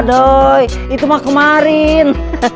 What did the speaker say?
beda doy itu mah kemarin